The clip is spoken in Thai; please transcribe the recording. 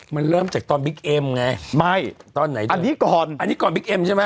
มันเริ่มจากตอนบิ๊กเอ็มไงไม่ตอนไหนอันนี้ก่อนอันนี้ก่อนบิ๊กเอ็มใช่ไหม